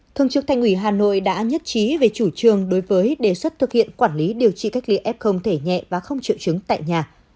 thường trực thành ủy hà nội đã nhất trí về chủ trương đối với đề xuất thực hiện quản lý điều trị cách ly f thể nhẹ và không triệu chứng tại nhà